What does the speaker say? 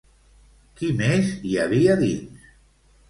Qui més hi havia dins?